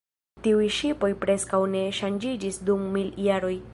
Tiuj ŝipoj preskaŭ ne ŝanĝiĝis dum mil jaroj.